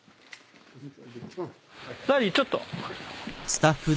ラリーちょっと。